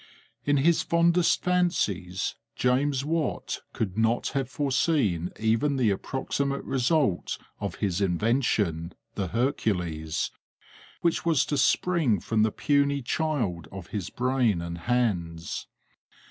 In his fondest fancies James Watt could not have foreseen even the approximate result of his invention, the Hercules which was to spring from the puny child of his brain and hands.